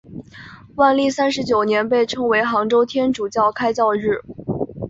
万历三十九年被称为杭州天主教开教日。